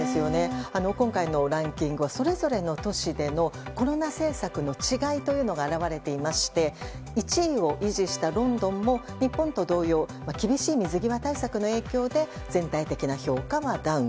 今回のランキングはそれぞれの都市でのコロナ政策の違いというのが表れていまして１位を維持したロンドンも日本と同様厳しい水際対策の影響で全体的な評価はダウン。